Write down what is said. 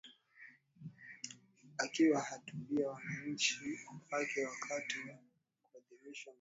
akiwa hutubia wananchi wake wakati wa kuadhimisha miaka hamsini na miwili